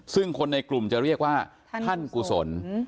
ซึ่งคนในกลุ่มจะเรียกว่าท่านกุศล